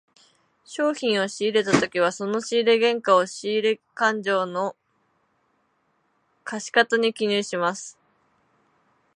商品を仕入れたときはその仕入れ原価を、仕入れ勘定の借方に記入します。